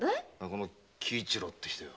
この喜一郎って人よ。